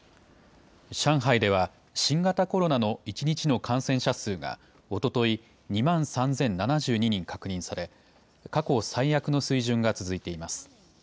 上海では新型コロナの１日の感染者数がおととい、２万３０７２人確認され、過去最悪の水準が続いています。